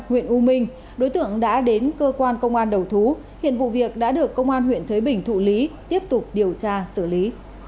huyện u minh đối tượng đã đến cơ quan công an đầu thú hiện vụ việc đã được công an huyện thới bình thụ lý tiếp tục điều tra xử lý